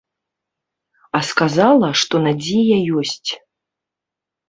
А сказала, што надзея ёсць.